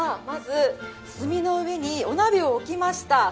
まず、炭の上にお鍋を置きました。